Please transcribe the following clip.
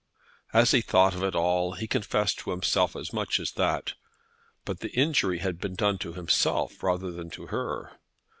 As he thought of it all he confessed to himself as much as that. But the injury done had been done to himself rather than to her.